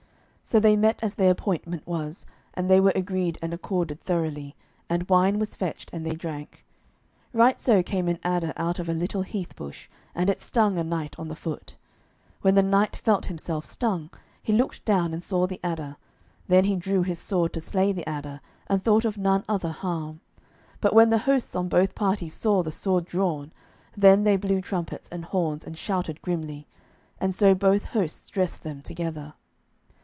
So they met as their appointment was, and they were agreed and accorded thoroughly; and wine was fetched, and they drank. Right so came an adder out of a little heath bush, and it stung a knight on the foot. When the knight felt himself stung, he looked down and saw the adder; then he drew his sword to slay the adder, and thought of none other harm. But when the hosts on both parties saw the sword drawn, then they blew trumpets, and horns, and shouted grimly. And so both hosts dressed them together.